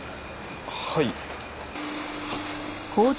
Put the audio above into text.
はい。